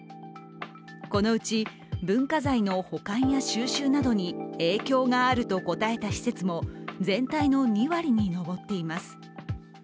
このうち、文化財の保管や収集などに影響があると答えた施設も全体の２割に上っています。